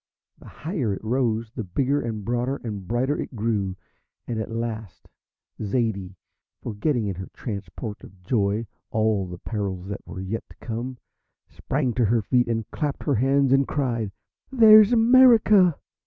The higher it rose, the bigger and broader and brighter it grew, and, at last, Zaidie forgetting in her transport of joy all the perils that were yet to come sprang to her feet and clapped her hands, and cried: "There's America!"